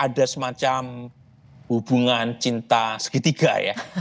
dalam hubungan cinta segitiga ya